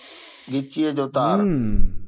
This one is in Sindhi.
ڳچيءَ جو تار